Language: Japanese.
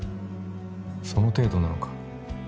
その程度なのか？